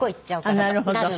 なるほど。